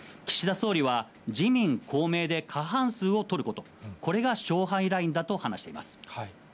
総理は、自民・公明で過半数を取ること、これが勝敗ラインだと話しています。